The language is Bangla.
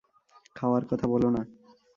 খাওয়ার কথা বলো না।